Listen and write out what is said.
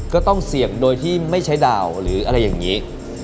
ก็ต้องเสี่ยงโดยที่ไม่ใช้ดาวหรืออะไรอย่างนี้